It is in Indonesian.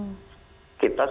terus kita mulai